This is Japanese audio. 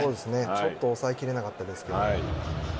ちょっと抑えきれなかったですよね。